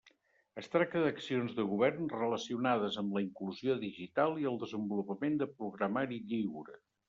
Es tracta d'accions de govern relacionades amb la inclusió digital i el desenvolupament de programari lliure.